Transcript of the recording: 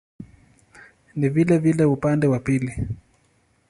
Ni vilevile upande wa pili.